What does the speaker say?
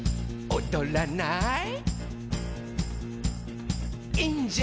「おどらない？」